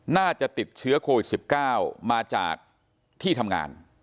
น่าจะติดเชื้อโควิด๑๙มาจากที่ทำงาน